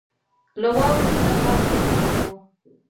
له واورې سره باد هم ملګری وو.